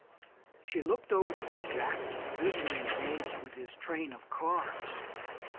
She looked over to where Jack was busily engaged with his train of cars.